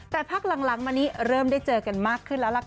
แต่พักหลังมานี้เริ่มได้เจอกันมากขึ้นแล้วล่ะค่ะ